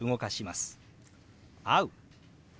「会う」。